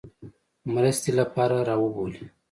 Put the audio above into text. مرستې لپاره را وبولي.